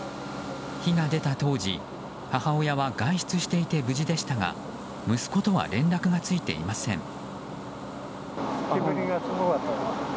火が出た当時、母親は外出していて無事でしたが息子とは連絡がついていません。